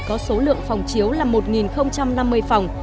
có số lượng phòng chiếu là một năm mươi phòng